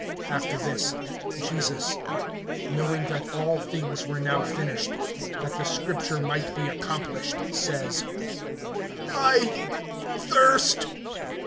(28)After this, Jesus knowing that all things were now finished, that the scripture might be accomplished, says: I thirst.